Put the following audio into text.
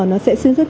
nó sẽ xuyên suốt